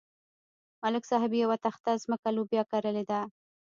ملک صاحب یوه تخته ځمکه لوبیا کرلې ده.